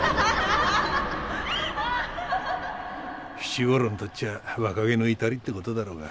七五郎にとっちゃ若気の至りって事だろうが。